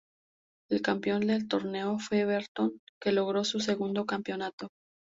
El campeón del torneo fue Everton, que logró su segundo campeonato.